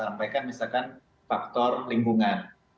misalkan faktor lingkungan